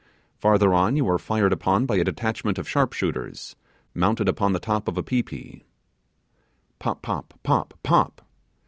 Farther on you were fired upon by a detachment of sharpshooters, mounted upon the top of a pi pi. Pop, Pop, Pop, Pop!